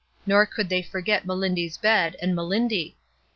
Nor could they forget Melindy's bed and Melindy.